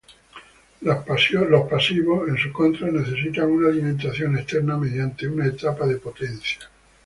Los pasivos, en su contra, necesitan una alimentación externa mediante una etapa de potencia.